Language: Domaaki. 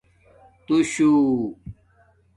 تُو شُو